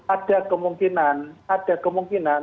ada kemungkinan ada kemungkinan